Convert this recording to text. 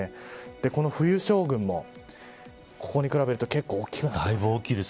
この冬将軍もここに比べると結構大きくなっています。